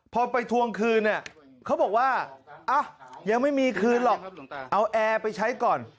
พอไปทวงคืนเนี่ยเขาบอกว่ายังไม่มีคืนหรอกเอาแอร์ไปใช้ก่อน